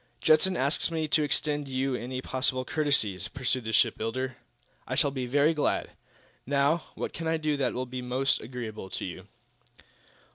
"Judson asks me to extend to you any possible courtesies," pursued the shipbuilder. "I shall be very glad. Now, what can I do that will be most agreeable to you?"